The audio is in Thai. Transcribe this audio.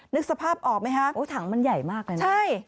นึกสภาพออกไหมฮะโอ้ถังมันใหญ่มากเลยนะใช่